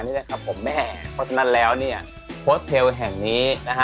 เพราะฉะนั้นแล้วโพสเทลแห่งนี้